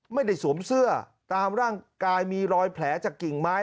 ไม่ได้สวมเสื้อตามร่างกายตามกลายแผลจากกิ่งไม้